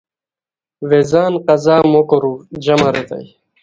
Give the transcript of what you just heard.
ویزان قضا موکورور جمہ ریتائے